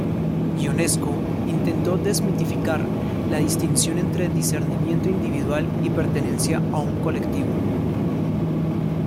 Ionesco intentó desmitificar la distinción entre discernimiento individual y pertenencia a un colectivo.